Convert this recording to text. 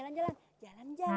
yang memalukan dan memšeikan